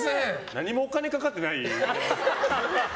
何もお金かかってない。